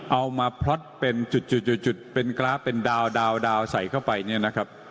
เอามาพล็อตเป็นจุดเป็นกราฟเป็นดาวใส่เข้าไปเนี่ยนะครับ